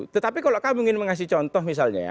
tetapi kalau kamu ingin mengasih contoh misalnya ya